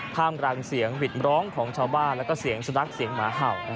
ท่ามกลางเสียงหวิดร้องของชาวบ้านแล้วก็เสียงสุนัขเสียงหมาเห่า